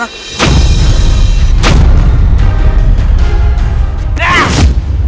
ada apa kesana